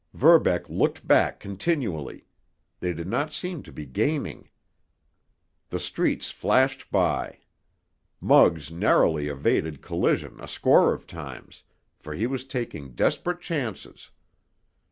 Verbeck looked back continually—they did not seem to be gaining. The streets flashed by. Muggs narrowly evaded collision a score of times, for he was taking desperate chances.